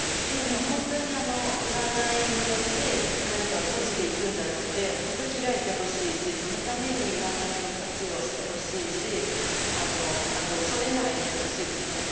ええもう本当に占いによって何かを閉じていくんじゃなくて本当に開いてほしいしそのために占いを活用してほしいしあと恐れないでほしいですね。